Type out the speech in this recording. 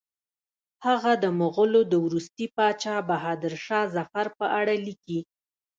هغه د مغولو د وروستي پاچا بهادر شاه ظفر په اړه لیکي.